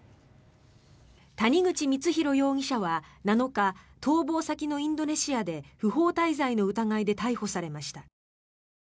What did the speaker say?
谷口光弘容疑者は７日逃亡先のインドネシアで不法滞在の疑いで逮捕されました。